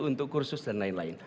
untuk kursus dan lain lain